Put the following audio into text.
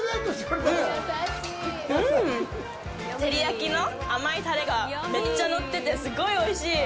照り焼きの甘いタレがめっちゃのっててすごいおいしい。